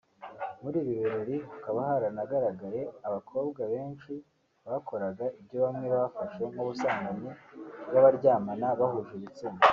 muri ibi birori hakaba haranagaragaye abakobwa benshi bakoraga ibyo bamwe bafashe nk’ubusambanyi bw’abaryamana bahuje ibitsina